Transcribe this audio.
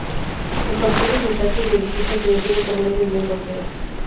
Los partidos en casa y de visita se definen por medio de un sorteo.